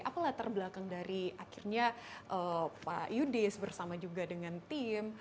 apalah terbelakang dari akhirnya pak yudis bersama juga dengan tim